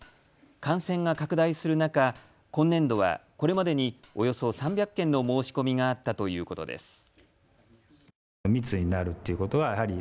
感染が拡大する中、今年度はこれまでにおよそ３００件の申し込みがあったということです。